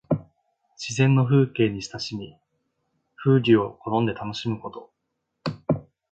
自然の風景に親しみ、風流を好んで楽しむこと。